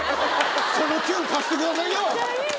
そのキュン、貸してくださいよ。